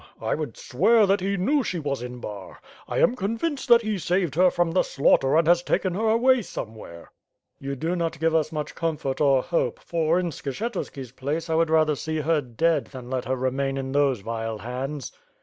I would swear that he knew she was in Bar. I am convinced that he saved her from the slaughter and has taken her away somewhere." "You do not give us much comfort or hope; for, in Skshetu ski's place, I would rather see her dead than let her remain in those vile hands."